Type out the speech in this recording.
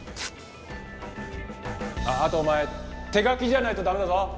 あああとお前手書きじゃないと駄目だぞ！